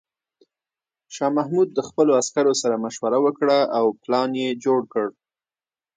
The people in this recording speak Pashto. شاه محمود د خپلو عسکرو سره مشوره وکړه او پلان یې جوړ کړ.